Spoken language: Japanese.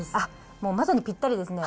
もうまさにぴったりですね。